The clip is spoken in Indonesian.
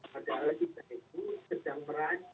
padahal kita itu sedang merajut